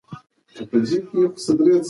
واک د خلکو د باور ساتلو ته اړتیا لري.